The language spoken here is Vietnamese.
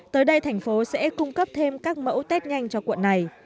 tới đây thành phố sẽ cung cấp thêm các mẫu test nhanh cho quận này